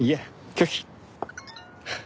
拒否。